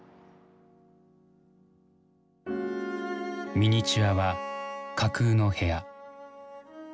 ミニチュアは架空の部屋。